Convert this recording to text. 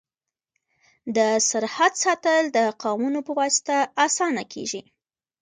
د سرحد ساتل د قومونو په واسطه اسانه کيږي.